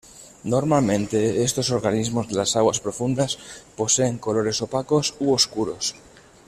Normalmente estos organismos de las aguas profundas poseen colores opacos u oscuros.